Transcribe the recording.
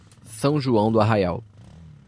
São João do Arraial